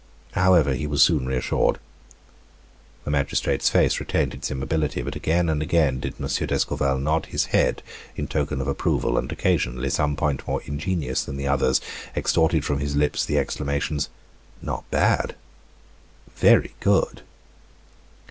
However, he was soon reassured. The magistrate's face retained its immobility, but again and again did M. d'Escorval nod his head in token of approval, and occasionally some point more ingenious than the others extorted from his lips the exclamations: "Not bad very good!"